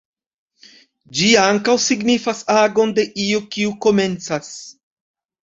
Ĝi ankaŭ signifas agon de iu, kiu komencas.